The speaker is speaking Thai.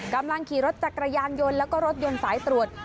กำลังขี่รถจักรยานยนต์แล้วก็รถยนต์สายตรวจ